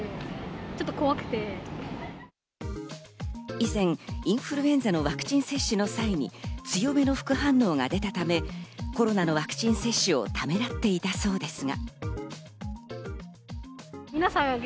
以前、インフルエンザのワクチン接種の際に強めの副反応が出たため、コロナのワクチン接種をためらっていたそうですが。